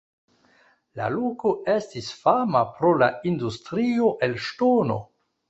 La loko estis fama pro la industrio el ŝtono.